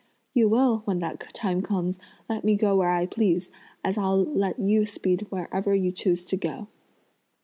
You will, when that time comes, let me go where I please, as I'll let you speed where you choose to go!"